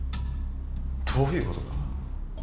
どういうことだ？